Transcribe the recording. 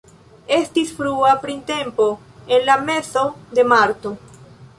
Estis frua printempo en la mezo de marto.